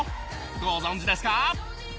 ご存じですか？